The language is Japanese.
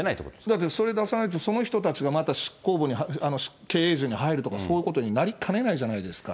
だってそれ出さないと、その人たちがまた経営陣に入るとかそういうことになりかねないじゃないか。